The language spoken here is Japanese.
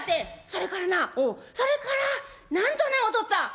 「それからなそれからなんとねおとっつぁん」。